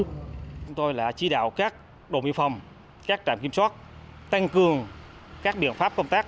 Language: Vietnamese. chúng tôi đã chỉ đạo các đồn biên phòng các trạm kiểm soát tăng cường các biện pháp công tác